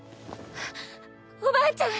おばあちゃん！